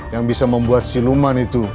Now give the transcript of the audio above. yang bisa membuat siluman itu